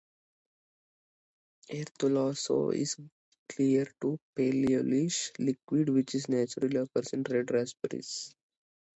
Erythrulose is a clear to pale-yellowish liquid, which naturally occurs in red raspberries.